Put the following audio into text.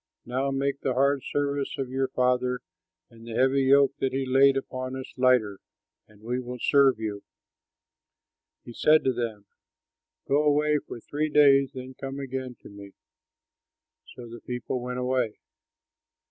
Now make the hard service of your father and the heavy yoke that he laid upon us lighter, and we will serve you." He said to them, "Go away for three days; then come again to me." So the people went away.